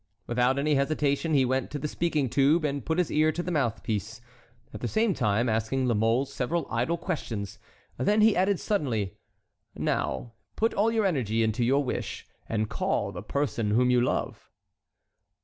Without any hesitation he went to the speaking tube and put his ear to the mouthpiece, at the same time asking La Mole several idle questions. Then he added, suddenly: "Now put all your energy into your wish, and call the person whom you love."